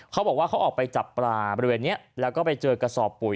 เขาบอกว่าเขาออกไปจับปลาบริเวณนี้แล้วก็ไปเจอกระสอบปุ๋ย